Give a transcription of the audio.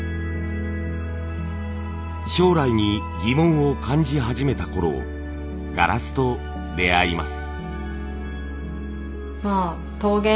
将来に疑問を感じ始めたころガラスと出会います。